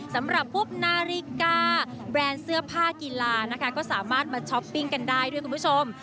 สำหรับพวกนาฬิกาแบรนด์เสื้อผ้ากีฬานะคะก็สามารถมาช้อปปิ้งกันได้ด้วยคุณผู้ชม